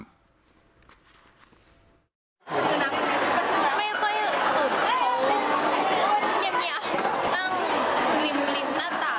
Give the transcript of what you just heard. ไม่ค่อยอย่างเงียบเงียบตั้งลิมลิมหน้าตา